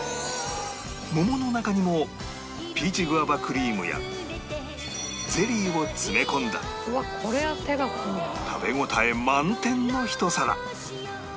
桃の中にもピーチグァバクリームやゼリーを詰め込んだ食べ応え満点のひと皿